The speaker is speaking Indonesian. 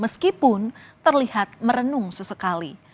meskipun terlihat merenung sesekali